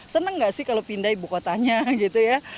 seneng gak sih kalau pindah ibu kotanya gitu ya